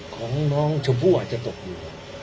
ของน้องชมพู่อาจจะตกอยู่